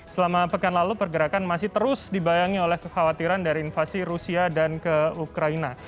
selama pekan lalu pergerakan masih terus dibayangi oleh kekhawatiran dari invasi rusia dan ke ukraina